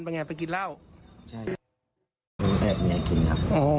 สิ่งที่เรามองไม่เห็นน่ะนะ